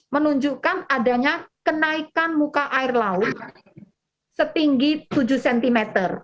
menunjukkan adanya kenaikan muka air laut setinggi tujuh cm